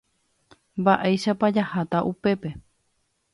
Mba'éichapa jaháta upépe.